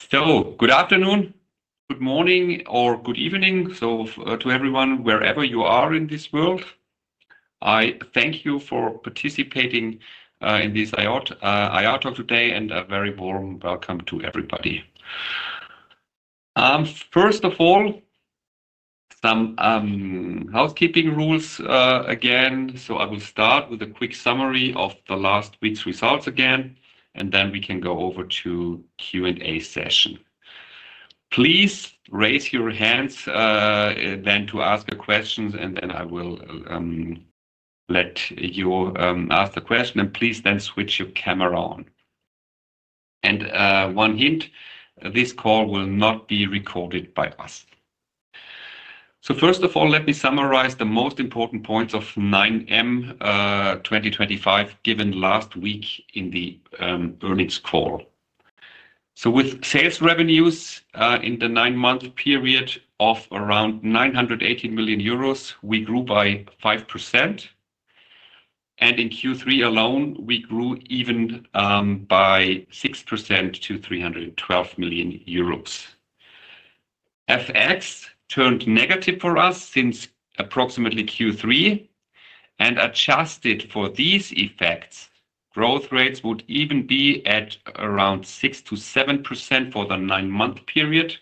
I thank you for participating in this RATIONAL talk today, and a very warm welcome to everybody. First of all, some housekeeping rules again. I will start with a quick summary of last week's results again, and then we can go over to the Q&A session. Please raise your hands then to ask your questions, and I will let you ask the question, and please then switch your camera on. One hint: this call will not be recorded by us. First of all, let me summarize the most important points of 9M 2025 given last week in the earnings call. With sales revenues in the nine-month period of around 980 million euros, we grew by 5%, and in Q3 alone, we grew even by 6% to 312 million euros. FX turned negative for us since approximately Q3, and adjusted for these effects, growth rates would even be at around 6%-7% for the nine-month period,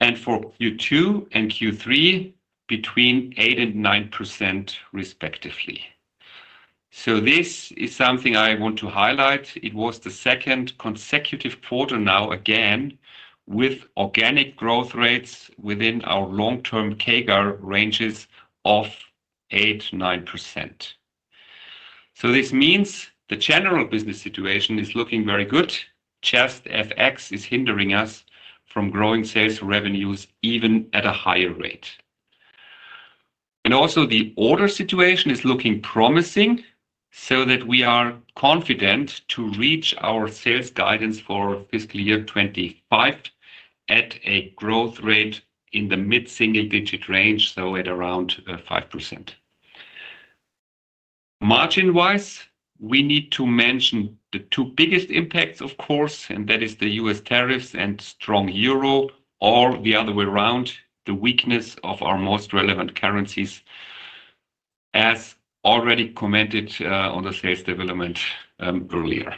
and for Q2 and Q3, between 8%-9%, respectively. This is something I want to highlight. It was the second consecutive quarter now again with organic growth rates within our long-term CAGR ranges of 8%-9%. This means the general business situation is looking very good. Just FX is hindering us from growing sales revenues even at a higher rate. Also, the order situation is looking promising, so that we are confident to reach our sales guidance for fiscal year 2025 at a growth rate in the mid-single-digit range, so at around 5%. Margin-wise, we need to mention the two biggest impacts, of course, and that is the U.S. tariffs and strong euro, or the other way around, the weakness of our most relevant currencies, as already commented on the sales development earlier.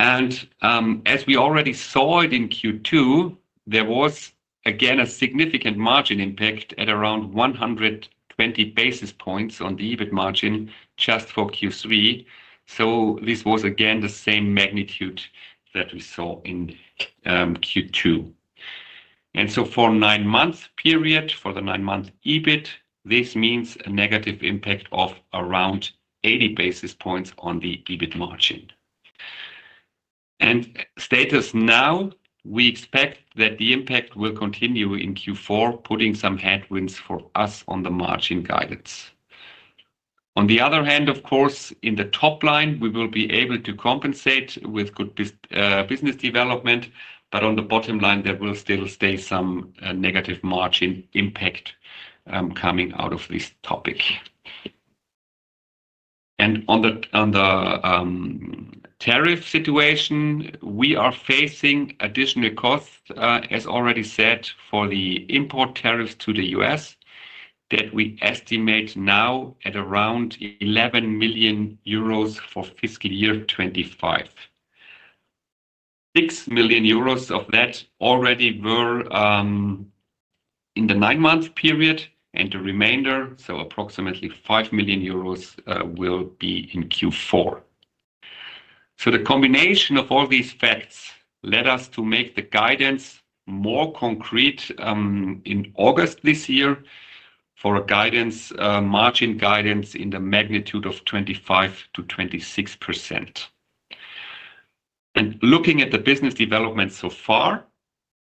As we already saw it in Q2, there was again a significant margin impact at around 120 basis points on the EBIT margin just for Q3. This was again the same magnitude that we saw in Q2. For the nine-month period, for the nine-month EBIT, this means a negative impact of around 80 basis points on the EBIT margin. Status now, we expect that the impact will continue in Q4, putting some headwinds for us on the margin guidance. On the other hand, of course, in the top line, we will be able to compensate with good business development, but on the bottom line, there will still stay some negative margin impact coming out of this topic. On the tariff situation, we are facing additional costs, as already said, for the import tariffs to the U.S., that we estimate now at around 11 million euros for fiscal year 2025. 6 million euros of that already were in the nine-month period, and the remainder, so approximately 5 million euros, will be in Q4. The combination of all these facts led us to make the guidance more concrete in August this year for a guidance, margin guidance in the magnitude of 25%-26%. Looking at the business development so far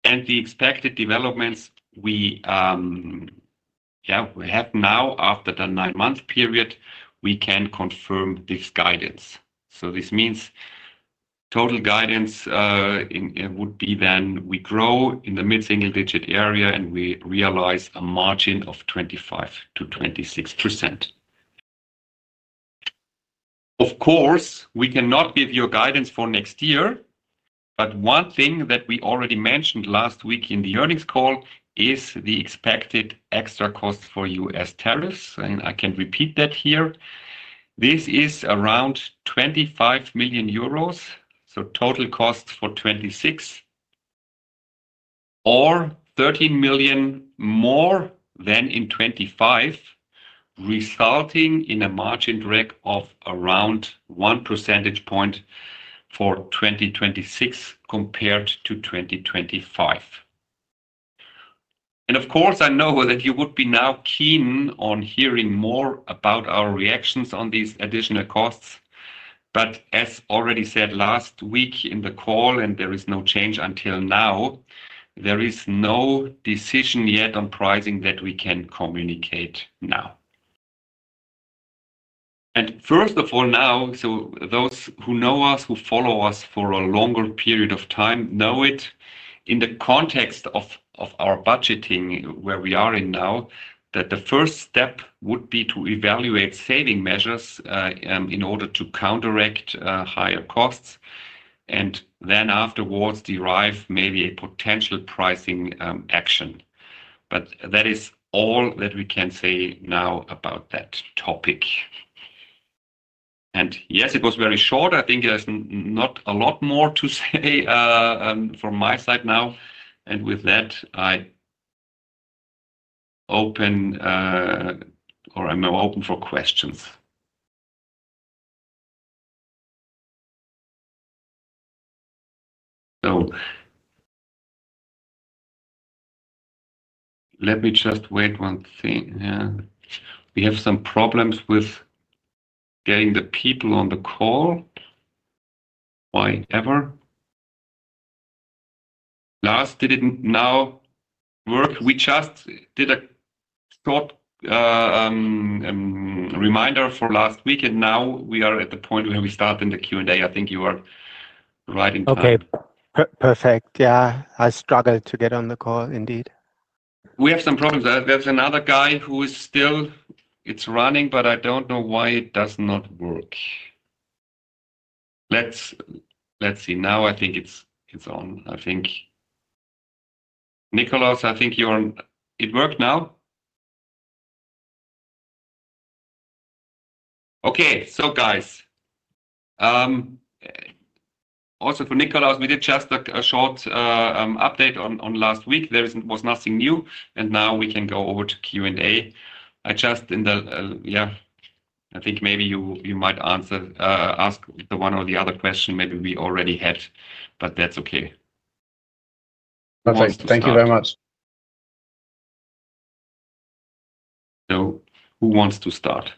and the expected developments we have now after the nine-month period, we can confirm this guidance. This means total guidance would be then we grow in the mid-single-digit area, and we realize a margin of 25%-26%. Of course, we cannot give you guidance for next year, but one thing that we already mentioned last week in the earnings call is the expected extra costs for U.S. tariffs, and I can repeat that here. This is around 25 million euros, so total costs for 2026, or 30 million more than in 2025, resulting in a margin drag of around one percentage point for 2026 compared to 2025. Of course, I know that you would be now keen on hearing more about our reactions on these additional costs, but as already said last week in the call, and there is no change until now, there is no decision yet on pricing that we can communicate now. First of all now, those who know us, who follow us for a longer period of time, know it in the context of our budgeting where we are in now, that the first step would be to evaluate saving measures in order to counteract higher costs, and then afterwards derive maybe a potential pricing action. That is all that we can say now about that topic. Yes, it was very short. I think there is not a lot more to say from my side now, and with that, I open or I am open for questions. Let me just wait one thing. We have some problems with getting the people on the call, why ever. Lars, did it now work? We just did a short reminder for last week, and now we are at the point where we start in the Q&A. I think you are right in time. Okay, perfect. Yeah, I struggled to get on the call indeed. We have some problems. There's another guy who is still, it's running, but I don't know why it does not work. Let's see. Now I think it's on. I think, Nikolas, I think you're on. It worked now. Okay, guys, also for Nikolas, we did just a short update on last week. There was nothing new, and now we can go over to Q&A. I just, in the, yeah, I think maybe you might answer, ask the one or the other question maybe we already had, but that's okay. Perfect. Thank you very much. Who wants to start?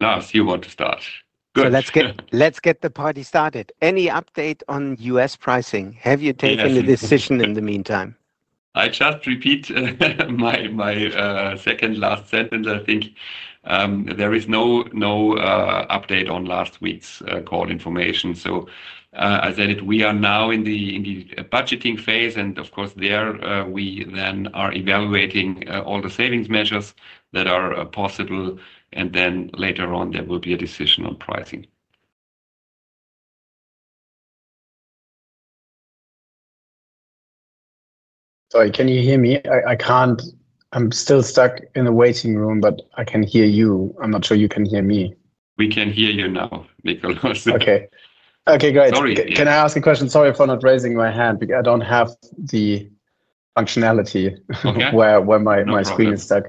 No, I see you want to start. Good. Let's get the party started. Any update on US pricing? Have you taken a decision in the meantime? I just repeat my second last sentence. I think there is no update on last week's call information. I said it. We are now in the budgeting phase, and of course, there we then are evaluating all the savings measures that are possible, and later on, there will be a decision on pricing. Sorry, can you hear me? I can't, I'm still stuck in the waiting room, but I can hear you. I'm not sure you can hear me. We can hear you now, Nikolas. Okay. Okay, great. Can I ask a question? Sorry for not raising my hand because I don't have the functionality where my screen is stuck.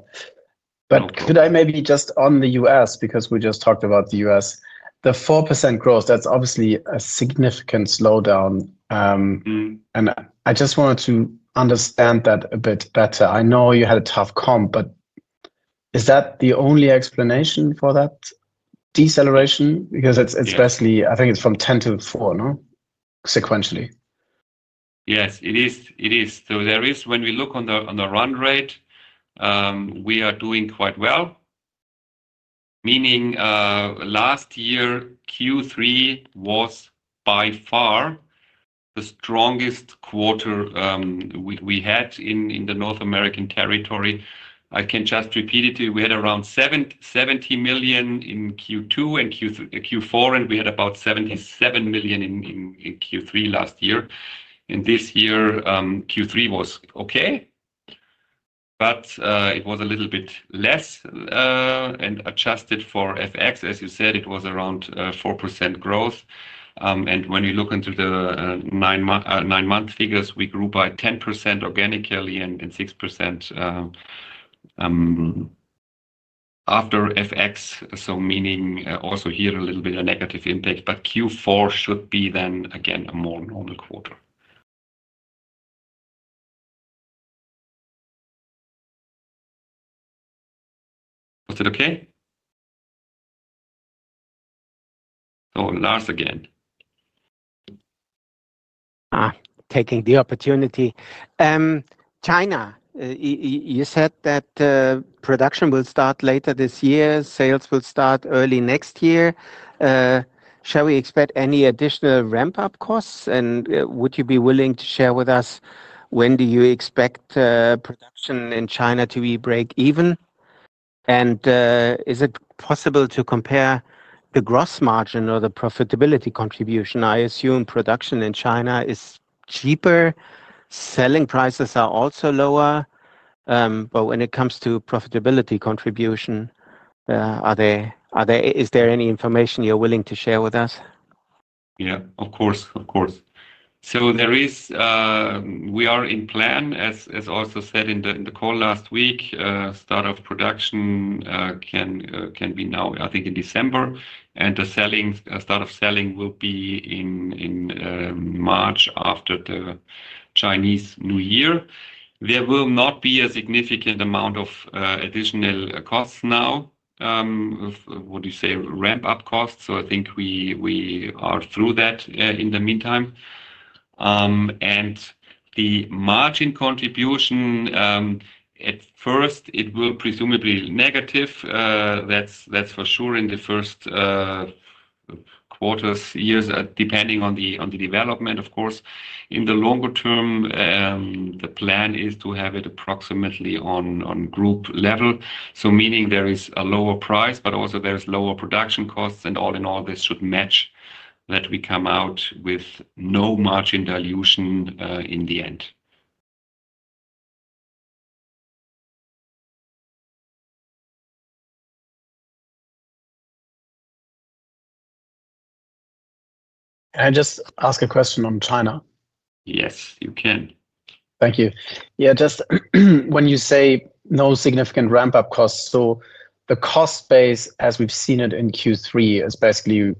Could I maybe just on the U.S., because we just talked about the U.S., the 4% growth, that's obviously a significant slowdown, and I just wanted to understand that a bit better. I know you had a tough comp, but is that the only explanation for that deceleration? Because it's basically, I think it's from 10% to 4%, no? Sequentially. Yes, it is. It is. When we look on the run rate, we are doing quite well, meaning last year, Q3 was by far the strongest quarter we had in the North American territory. I can just repeat it to you. We had around €70 million in Q2 and Q4, and we had about €77 million in Q3 last year. This year, Q3 was okay, but it was a little bit less, and adjusted for FX, as you said, it was around 4% growth. When you look into the nine-month figures, we grew by 10% organically and 6% after FX, so meaning also here a little bit of negative impact, but Q4 should be then again a more normal quarter. Was it okay? Lars again. Taking the opportunity. China, you said that production will start later this year, sales will start early next year. Shall we expect any additional ramp-up costs? Would you be willing to share with us when you expect production in China to be break-even? Is it possible to compare the gross margin or the profitability contribution? I assume production in China is cheaper, selling prices are also lower, but when it comes to profitability contribution, is there any information you're willing to share with us? Yeah, of course, of course. There is, we are in plan, as also said in the call last week, start of production can be now, I think, in December, and the start of selling will be in March after the Chinese New Year. There will not be a significant amount of additional costs now, what do you say, ramp-up costs, so I think we are through that in the meantime. The margin contribution, at first, it will presumably be negative, that's for sure in the first quarters, years, depending on the development, of course. In the longer term, the plan is to have it approximately on group level, so meaning there is a lower price, but also there is lower production costs, and all in all, this should match that we come out with no margin dilution in the end. Can I just ask a question on China? Yes, you can. Thank you. Yeah, just when you say no significant ramp-up costs, so the cost base, as we've seen it in Q3, is basically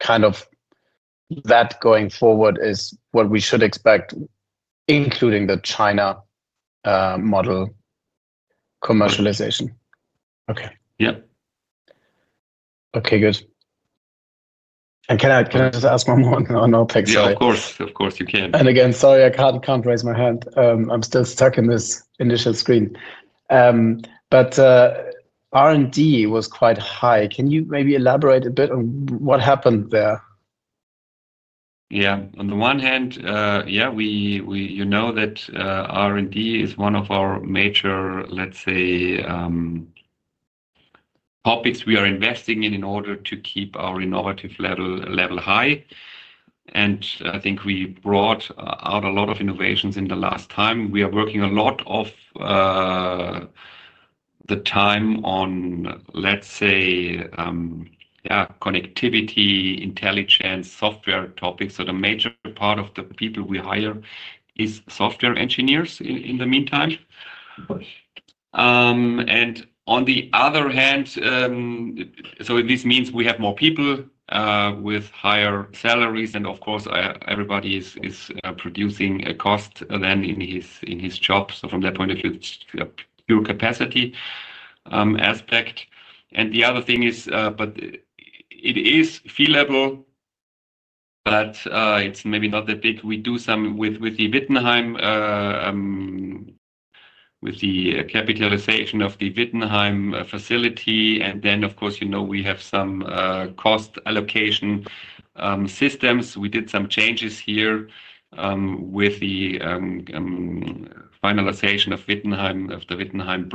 kind of that going forward is what we should expect, including the China model commercialization. Okay. Yeah. Okay, good. Can I just ask one more thing? Yeah, of course, of course you can. Sorry, I can't raise my hand. I'm still stuck in this initial screen. R&D was quite high. Can you maybe elaborate a bit on what happened there? Yeah. On the one hand, yeah, you know that R&D is one of our major, let's say, topics we are investing in in order to keep our innovative level high. I think we brought out a lot of innovations in the last time. We are working a lot of the time on, let's say, connectivity, intelligence, software topics. The major part of the people we hire is software engineers in the meantime. On the other hand, this means we have more people with higher salaries, and of course, everybody is producing a cost then in his job. From that point of view, it's pure capacity aspect. The other thing is, but it is fee level, but it's maybe not that big. We do some with the Wittenheim, with the capitalization of the Wittenheim facility, and then, of course, you know we have some cost allocation systems. We did some changes here with the finalization of the Wittenheim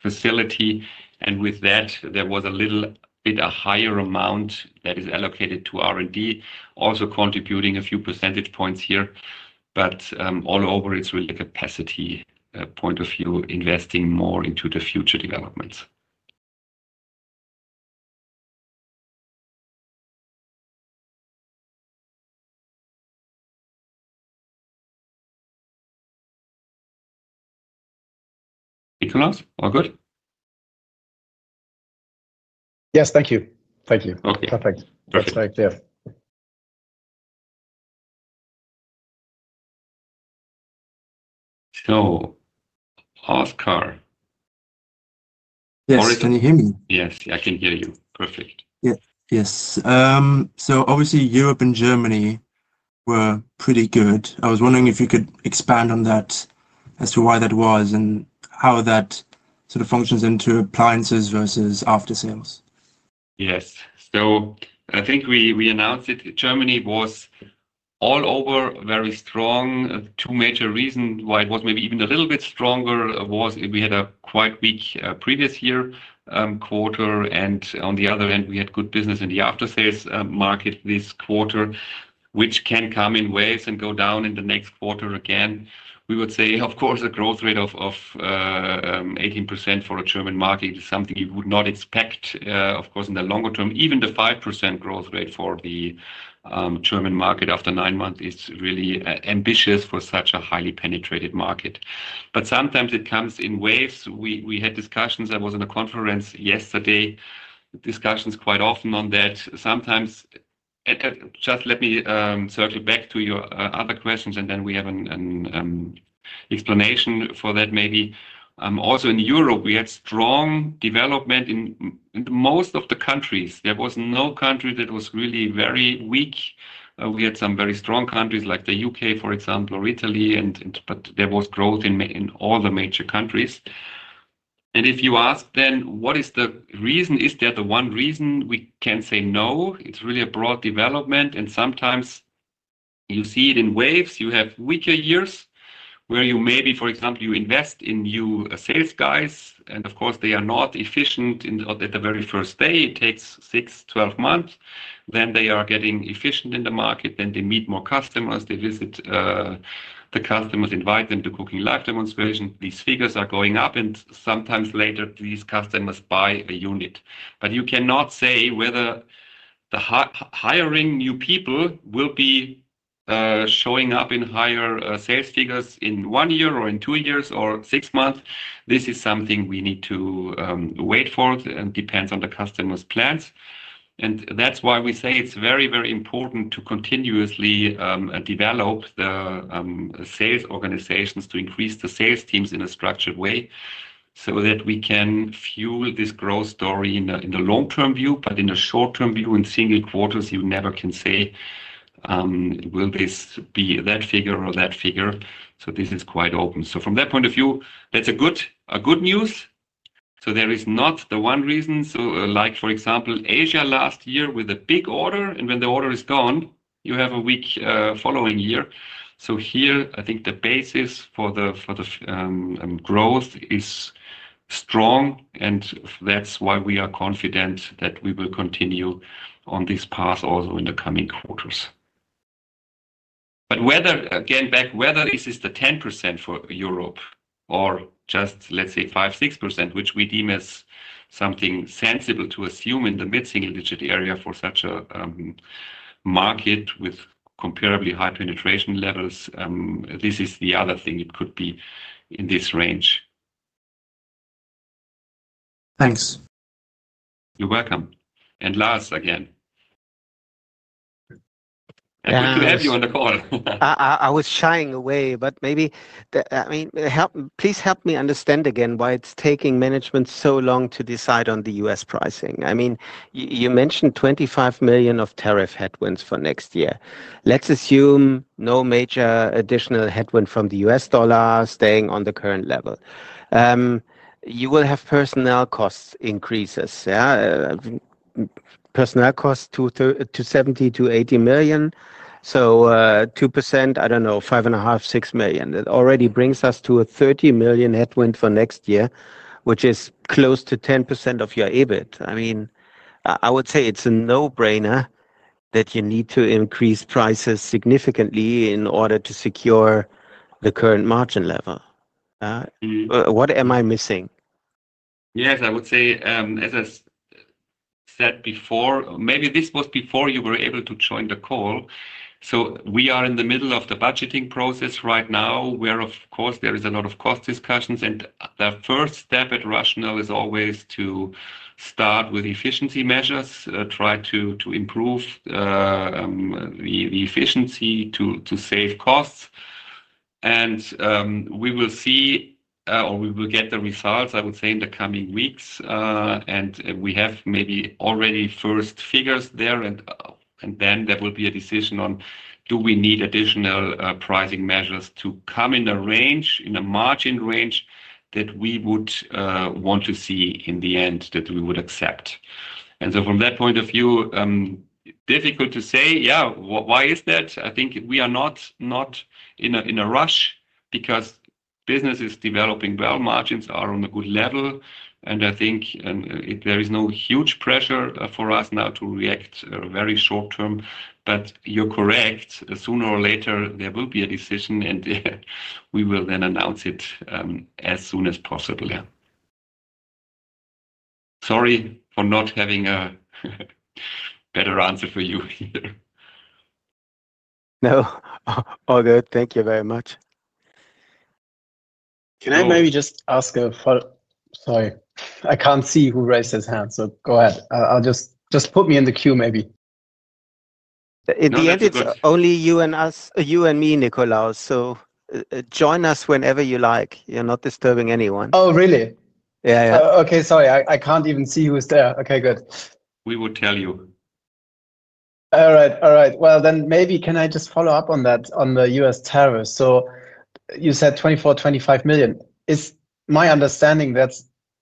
facility, and with that, there was a little bit a higher amount that is allocated to R&D, also contributing a few percentage points here. All over, it is really a capacity point of view, investing more into the future developments. Nikolas, all good? Yes, thank you. Thank you. Perfect. That's very clear. So Oscar. Yes, can you hear me? Yes, I can hear you. Perfect. Yep. Yes. So obviously, Europe and Germany were pretty good. I was wondering if you could expand on that as to why that was and how that sort of functions into appliances versus after-sales. Yes. I think we announced it. Germany was all over very strong. Two major reasons why it was maybe even a little bit stronger were we had a quite weak previous year quarter, and on the other hand, we had good business in the after-sales market this quarter, which can come in waves and go down in the next quarter again. We would say, of course, a growth rate of 18% for a German market is something you would not expect, of course, in the longer term. Even the 5% growth rate for the German market after nine months is really ambitious for such a highly penetrated market. Sometimes it comes in waves. We had discussions. I was in a conference yesterday, discussions quite often on that. Sometimes, just let me circle back to your other questions, and then we have an explanation for that maybe. Also in Europe, we had strong development in most of the countries. There was no country that was really very weak. We had some very strong countries like the U.K., for example, or Italy, but there was growth in all the major countries. If you ask then, what is the reason? Is that the one reason? We can say no. It is really a broad development, and sometimes you see it in waves. You have weaker years where you maybe, for example, you invest in new sales guys, and of course, they are not efficient at the very first day. It takes 6, 12 months. Then they are getting efficient in the market. Then they meet more customers. They visit the customers, invite them to cooking live demonstrations. These figures are going up, and sometimes later, these customers buy a unit. You cannot say whether hiring new people will be showing up in higher sales figures in one year or in two years or six months. This is something we need to wait for, and it depends on the customer's plans. That is why we say it's very, very important to continuously develop the sales organizations to increase the sales teams in a structured way so that we can fuel this growth story in the long-term view. In the short-term view, in single quarters, you never can say, will this be that figure or that figure? This is quite open. From that point of view, that's good news. There is not the one reason. For example, Asia last year with a big order, and when the order is gone, you have a weak following year. I think the basis for the growth is strong, and that's why we are confident that we will continue on this path also in the coming quarters. Whether this is the 10% for Europe or just, let's say, 5-6%, which we deem as something sensible to assume in the mid-single-digit area for such a market with comparably high penetration levels, this is the other thing. It could be in this range. Thanks. You're welcome. Lars again. Happy to have you on the call. I was shying away, but maybe, I mean, please help me understand again why it's taking management so long to decide on the U.S. pricing. I mean, you mentioned $25 million of tariff headwinds for next year. Let's assume no major additional headwind from the U.S. dollar staying on the current level. You will have personnel cost increases. Personnel costs to $70-$80 million. So 2%, I don't know, $5.5-$6 million. It already brings us to a $30 million headwind for next year, which is close to 10% of your EBIT. I mean, I would say it's a no-brainer that you need to increase prices significantly in order to secure the current margin level. What am I missing? Yes, I would say, as I said before, maybe this was before you were able to join the call. We are in the middle of the budgeting process right now, where, of course, there is a lot of cost discussions. The first step at RATIONAL is always to start with efficiency measures, try to improve the efficiency to save costs. We will see, or we will get the results, I would say, in the coming weeks. We have maybe already first figures there, and then there will be a decision on do we need additional pricing measures to come in a range, in a margin range that we would want to see in the end that we would accept. From that point of view, difficult to say, yeah, why is that? I think we are not in a rush because business is developing well, margins are on a good level, and I think there is no huge pressure for us now to react very short term. You are correct, sooner or later, there will be a decision, and we will then announce it as soon as possible. Sorry for not having a better answer for you here. No. All good. Thank you very much. Can I maybe just ask a follow-up? Sorry. I can't see who raised his hand, so go ahead. Just put me in the queue maybe. In the end, it's only you and us, you and me, Nikolas. Join us whenever you like. You're not disturbing anyone. Oh, really? Yeah, yeah. Okay, sorry. I can't even see who's there. Okay, good. We would tell you. All right, all right. Maybe can I just follow up on that, on the U.S. tariffs? You said $24 million-$25 million. It's my understanding that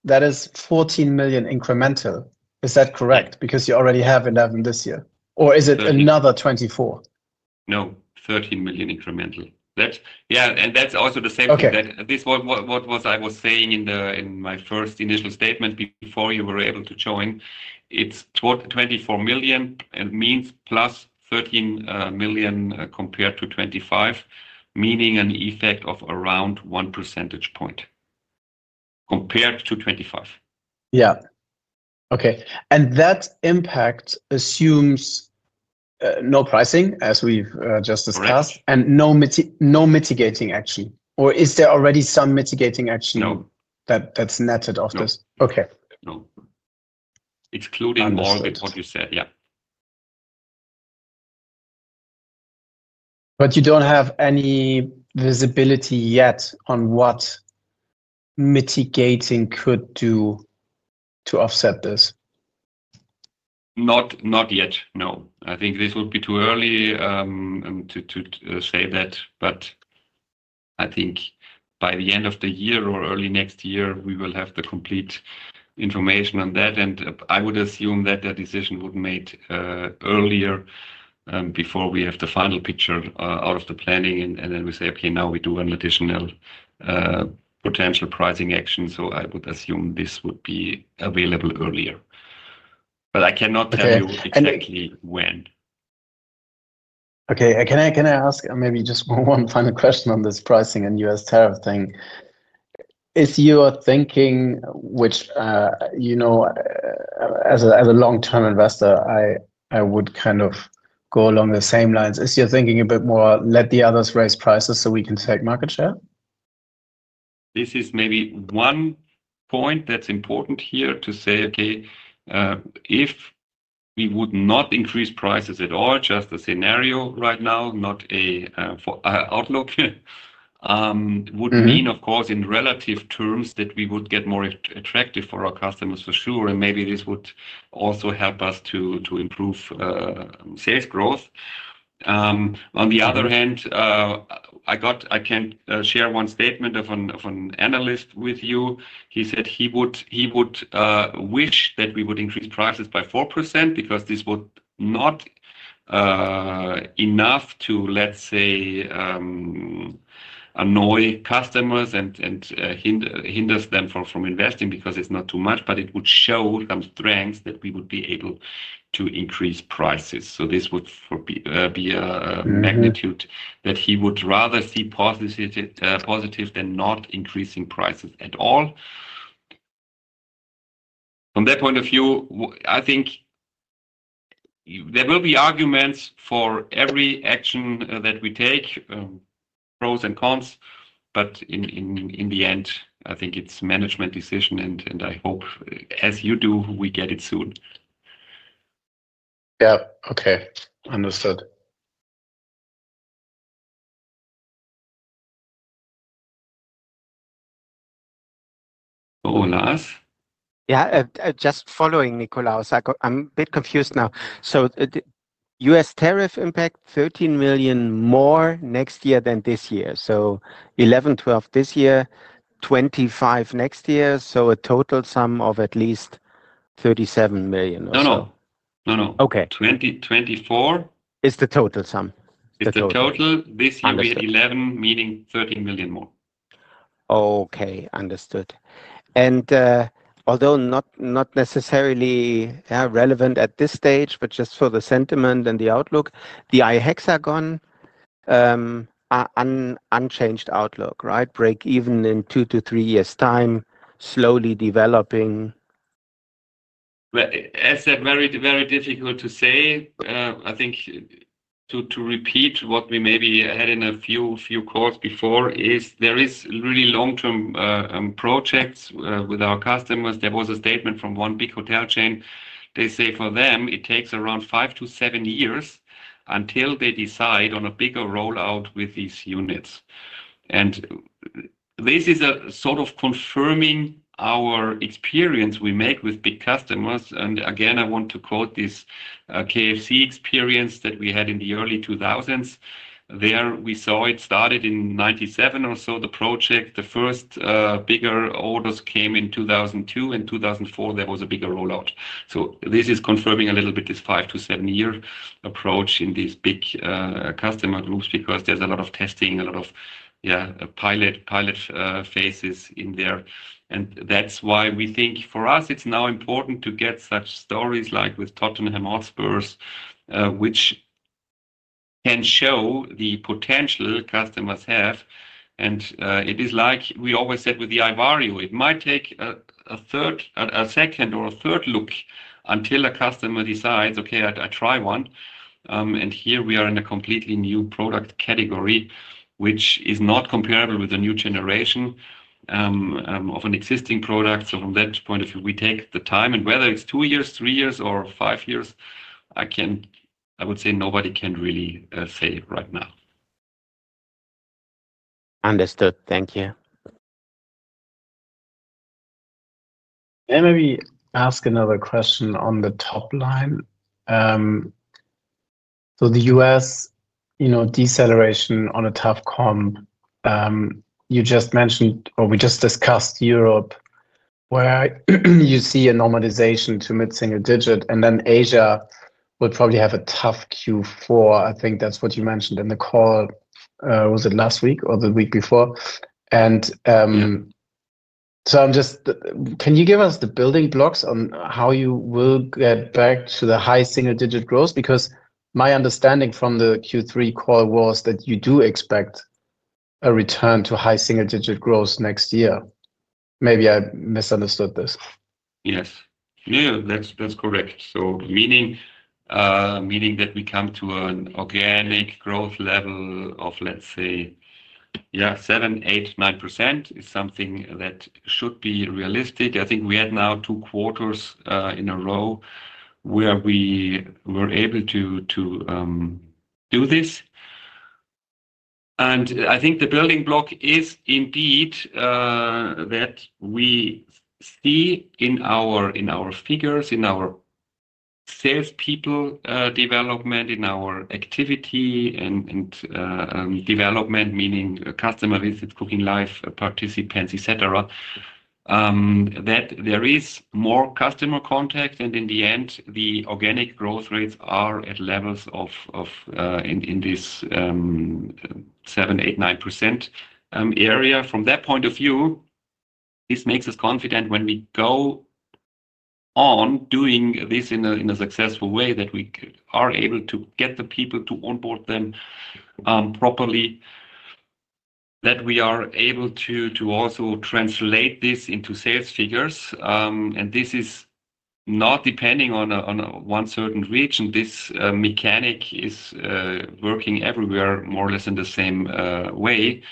that is $14 million incremental. Is that correct? Because you already have $11 million this year. Or is it another $24 million? No, 13 million incremental. Yeah, and that's also the same thing that this was what I was saying in my first initial statement before you were able to join. It's 24 million, means plus 13 million compared to 25, meaning an effect of around one percentage point compared to 25. Yeah. Okay. That impact assumes no pricing, as we've just discussed, and no mitigating action? Or is there already some mitigating action that's netted off this? No. Okay. No. Excluding more than what you said, yeah. You do not have any visibility yet on what mitigating could do to offset this? Not yet, no. I think this would be too early to say that. I think by the end of the year or early next year, we will have the complete information on that. I would assume that the decision would be made earlier before we have the final picture out of the planning, and then we say,, now we do an additional potential pricing action. I would assume this would be available earlier. I cannot tell you exactly when. Okay. Can I ask maybe just one final question on this pricing and U.S. tariff thing? If you are thinking, which you know as a long-term investor, I would kind of go along the same lines, is you're thinking a bit more, let the others raise prices so we can take market share? This is maybe one point that's important here to say, okay, if we would not increase prices at all, just a scenario right now, not an outlook, would mean, of course, in relative terms that we would get more attractive for our customers, for sure. Maybe this would also help us to improve sales growth. On the other hand, I can share one statement of an analyst with you. He said he would wish that we would increase prices by 4% because this would not be enough to, let's say, annoy customers and hinder them from investing because it's not too much, but it would show some strength that we would be able to increase prices. This would be a magnitude that he would rather see positive than not increasing prices at all. From that point of view, I think there will be arguments for every action that we take, pros and cons, but in the end, I think it's a management decision, and I hope, as you do, we get it soon. Yeah. Okay. Understood. Oh, Lars? Yeah. Just following, Nikolas. I'm a bit confused now. U.S. tariff impact, $13 million more next year than this year. So $11 million, $12 million this year, $25 million next year. So a total sum of at least $37 million. No, no. 2024. Is the total sum. It's the total. This year, we had 11, meaning €13 million more. Okay. Understood. Although not necessarily relevant at this stage, but just for the sentiment and the outlook, the iHexagon unchanged outlook, right? Break even in two to three years' time, slowly developing. As I said, very, very difficult to say. I think to repeat what we maybe had in a few calls before is there are really long-term projects with our customers. There was a statement from one big hotel chain. They say for them, it takes around five to seven years until they decide on a bigger rollout with these units. This is sort of confirming our experience we make with big customers. Again, I want to quote this KFC experience that we had in the early 2000s. There we saw it started in 1997 or so, the project. The first bigger orders came in 2002. In 2004, there was a bigger rollout. This is confirming a little bit this five to seven-year approach in these big customer groups because there is a lot of testing, a lot of, yeah, pilot phases in there. That is why we think for us, it's now important to get such stories like with Tottenham Hotspur, which can show the potential customers have. It is like we always said with the iVario, it might take a second or a third look until a customer decides, okay, I try one. Here we are in a completely new product category, which is not comparable with the new generation of an existing product. From that point of view, we take the time. Whether it's two years, three years, or five years, I would say nobody can really say right now. Understood. Thank you. May I maybe ask another question on the top line? The U.S. deceleration on a tough comp, you just mentioned, or we just discussed Europe, where you see a normalization to mid-single digit, and then Asia would probably have a tough Q4. I think that's what you mentioned in the call. Was it last week or the week before? I am just, can you give us the building blocks on how you will get back to the high single-digit growth? Because my understanding from the Q3 call was that you do expect a return to high single-digit growth next year. Maybe I misunderstood this. Yes. Yeah, that's correct. So meaning that we come to an organic growth level of, let's say, yeah, 7-9% is something that should be realistic. I think we had now two quarters in a row where we were able to do this. I think the building block is indeed that we see in our figures, in our salespeople development, in our activity and development, meaning customer visits, cooking live participants, etc., that there is more customer contact. In the end, the organic growth rates are at levels in this 7-9% area. From that point of view, this makes us confident when we go on doing this in a successful way, that we are able to get the people to onboard them properly, that we are able to also translate this into sales figures. This is not depending on one certain region. This mechanic is working everywhere more or less in the same way.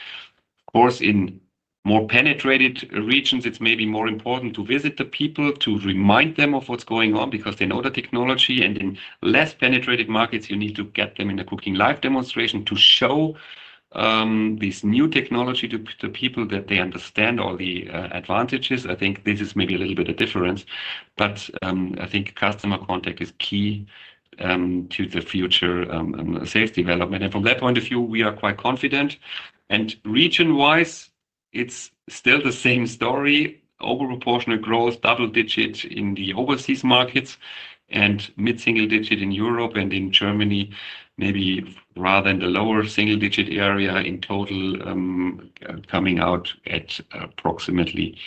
Of course, in more penetrated regions, it is maybe more important to visit the people, to remind them of what is going on because they know the technology. In less penetrated markets, you need to get them in a cooking live demonstration to show this new technology to the people so that they understand all the advantages. I think this is maybe a little bit of difference, but I think customer contact is key to the future sales development. From that point of view, we are quite confident. Region-wise, it is still the same story. Overproportionate growth, double-digit in the overseas markets and mid-single-digit in Europe and in Germany, maybe rather in the lower single-digit area in total coming out at approximately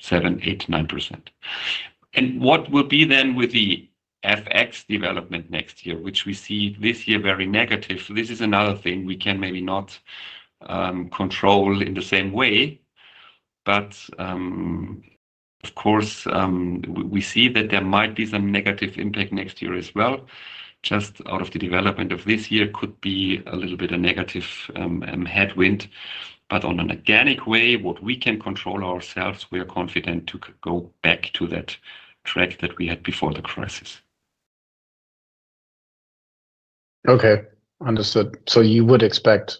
7-9%. What will be then with the FX development next year, which we see this year very negative? This is another thing we can maybe not control in the same way. Of course, we see that there might be some negative impact next year as well. Just out of the development of this year could be a little bit of negative headwind. On an organic way, what we can control ourselves, we are confident to go back to that track that we had before the crisis. Okay. Understood. So you would expect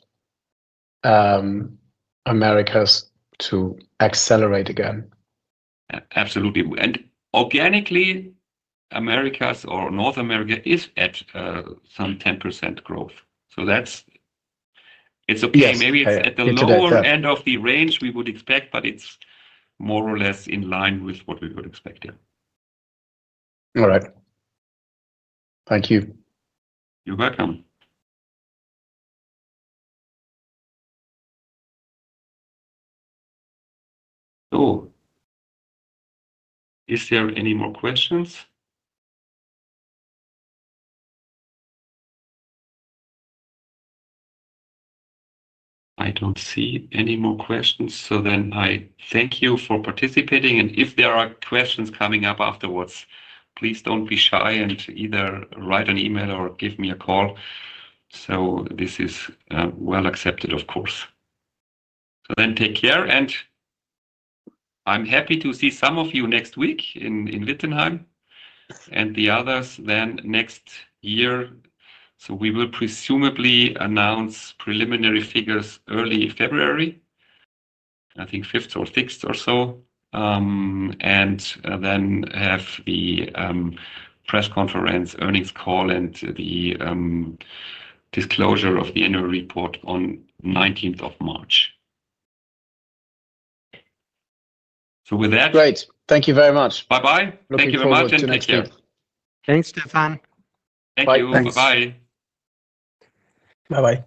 Americas to accelerate again? Absolutely. Organically, Americas or North America is at some 10% growth. It is okay. Maybe it is at the lower end of the range we would expect, but it is more or less in line with what we would expect. All right. Thank you. You're welcome. Oh, is there any more questions? I don't see any more questions. I thank you for participating. If there are questions coming up afterwards, please don't be shy and either write an email or give me a call. This is well accepted, of course. Take care. I'm happy to see some of you next week in Wittenheim and the others then next year. We will presumably announce preliminary figures early February, I think fifth or sixth or so, and then have the press conference earnings call and the disclosure of the annual report on 19th of March. With that. Great. Thank you very much. Bye-bye. Thank you very much and take care. Thanks, Stefan. Thank you. Bye-bye. Bye-bye.